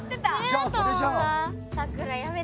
じゃあそれじゃん！